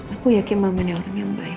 aku yakin mama ini orang yang baik